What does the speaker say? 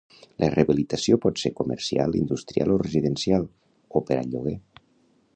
La rehabilitació pot ser comercial, industrial o residencial, o per al lloguer.